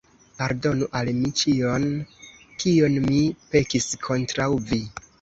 Pardonu al mi ĉion, kion mi pekis kontraŭ vi!